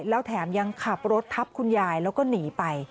แล้วแถมยังขับรถทับคุณยายแล้วก็หนีไป